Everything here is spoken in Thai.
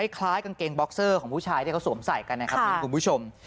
คล้ายกางเกงบ็อกเซอร์ของผู้ชายที่เขาสวมใส่กันนะครับมิ้นคุณผู้ชม